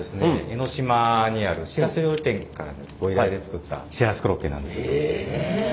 江の島にあるシラス料理店からのご依頼で作ったシラスコロッケなんです。